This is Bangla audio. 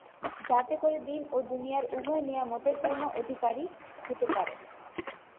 যাতে করে দীন ও দুনিয়ার উভয় নিয়ামতের পূর্ণ অধিকারী হতে পারে।